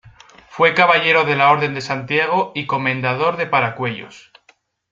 Fue caballero de la Orden de Santiago y comendador de Paracuellos.